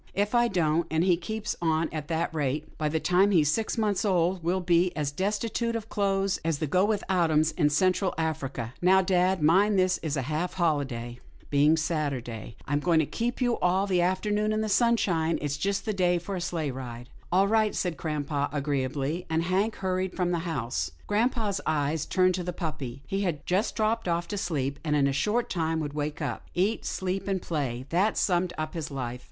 If I don't, and he keeps on at this rate, by the time he's six months old, we'll be as destitute of clothes as the Go Without ' Ems in Central Africa — Now dad, mind this is a half holiday. 124 'TILDA JANE'S ORPHANS being Saturday. I'm going to keep you all the afternoon in the sunshine. It's just the day for a sleighride." " All right," said grampa agreeably, and Hank hurried from the house. Grampa's eyes turned to the puppy. He had just dropped off to sleep, and in a short time would wake up. Eat, sleep and play, that summed up his life.